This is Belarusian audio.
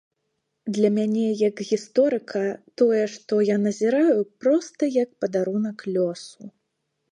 Для мяне як гісторыка тое, што я назіраю проста як падарунак лёсу.